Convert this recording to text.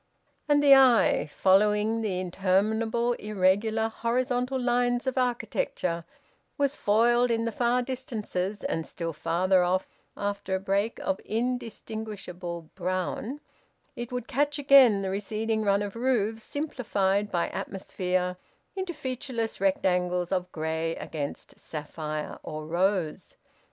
And the eye, following the interminable irregular horizontal lines of architecture, was foiled in the far distances, and, still farther off, after a break of indistinguishable brown, it would catch again the receding run of roofs, simplified by atmosphere into featureless rectangles of grey against sapphire or rose.